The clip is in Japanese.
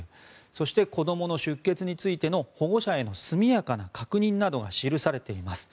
そして、子どもの出欠についての保護者への速やかな確認などが記されています。